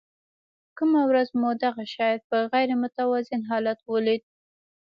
کومه ورځ مو دغه شاعر په غیر متوازن حالت ولید.